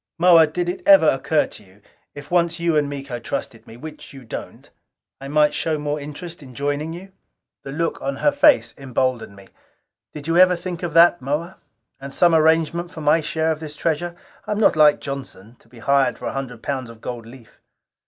"Moa, did it ever occur to you, if once you and Miko trusted me which you don't I might show more interest in joining you?" The look on her face emboldened me. "Did you ever think of that, Moa? And some arrangement for my share of this treasure? I am not like Johnson, to be hired for a hundred pounds of gold leaf."